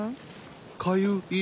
かゆい？